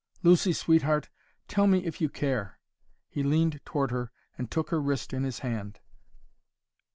Lucy, sweetheart! Tell me if you care!" He leaned toward her and took her wrist in his hand.